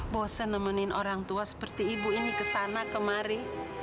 bosen nemenin orang tua seperti ibu ini kesana kemari